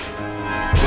aku akan menjaga dia